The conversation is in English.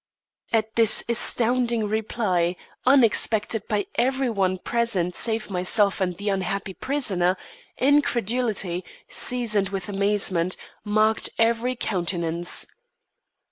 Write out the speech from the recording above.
At this astounding reply, unexpected by every one present save myself and the unhappy prisoner, incredulity, seasoned with amazement, marked every countenance.